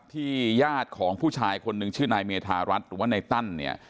ญาติของผู้ชายคนหนึ่งชื่อนายเมธารัฐหรือว่านายตั้นเนี่ย